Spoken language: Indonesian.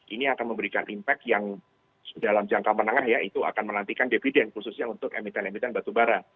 ini akan memberikan impact yang dalam jangka menengah ya itu akan menantikan dividen khususnya untuk emiten emiten batubara